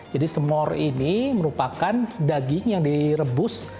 jadi smor ini merupakan daging yang direbus